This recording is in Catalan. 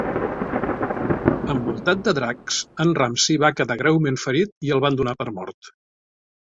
Envoltat de dracs, en Ramsey va quedar greument ferit i el van donar per mort.